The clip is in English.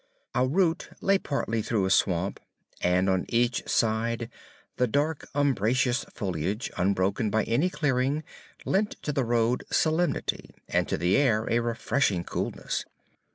Our route lay partly through a swamp, and on each side the dark, umbrageous foliage, unbroken by any clearing, lent to the road solemnity, and to the air a refreshing coolness.